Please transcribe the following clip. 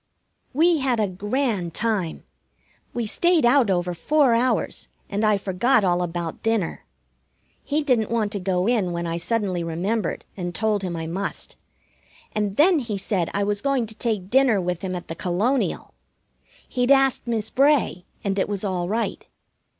We had a grand time. We stayed out over four hours, and I forgot all about dinner. He didn't want to go in when I suddenly remembered and told him I must, and then he said I was going to take dinner with him at the Colonial. He'd asked Miss Bray, and it was all right.